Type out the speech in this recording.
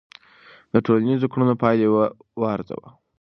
د ټولنیزو کړنو پایلې وارزوه.